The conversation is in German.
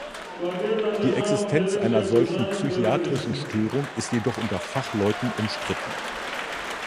Die Existenz einer solchen psychiatrischen Störung ist jedoch unter Fachleuten umstritten.